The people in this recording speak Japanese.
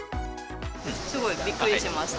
すごいびっくりしました。